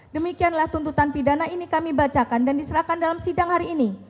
demikianlah tuntutan pidana ini kami bacakan dan diserahkan dalam sidang hari ini